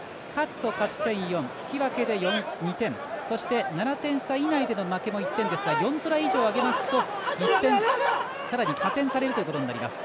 勝つと勝ち点４引き分けは２点負けも１点ですが４トライ以上挙げますと１点さらに加点されるということになります。